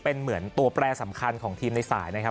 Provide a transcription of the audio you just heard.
เป็นเหมือนตัวแปรสำคัญของทีมในสายนะครับ